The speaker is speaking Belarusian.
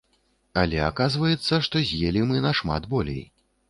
Але аказваецца, што з'елі мы нашмат болей.